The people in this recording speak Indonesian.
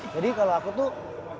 jadi kalau aku tuh